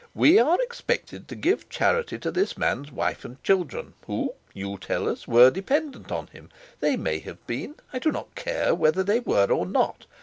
We are expected to give charity to this man's wife and children, who, you tell us, were dependent on him. They may have been; I do not care whether they were or not.